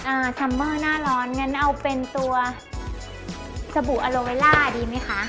ซัมเมอร์หน้าร้อนงั้นเอาเป็นตัวสบู่อโลเวล่าดีไหมคะ